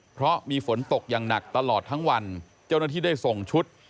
เพราะมีฝนตกอย่างหนักตลอดทั้งวันเจ้าหน้าที่ได้ส่งชุด